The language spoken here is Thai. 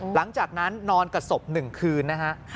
หลังจากนั้นนอนกับศพ๑คืน